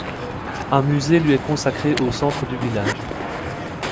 Un musée lui est consacré au centre du village.